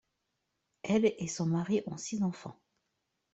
Elle et son mari ont six enfants.